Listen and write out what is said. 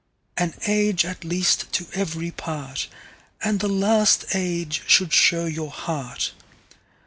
An Age at least to every part, And the last Age should show your Heart.